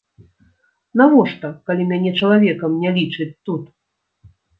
Навошта, калі мяне чалавекам не лічаць тут!